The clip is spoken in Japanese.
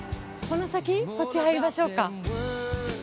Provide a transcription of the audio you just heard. こっち入りましょうか。